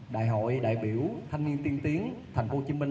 đại hội đại biểu thanh niên tiên tiến thành phố hồ chí minh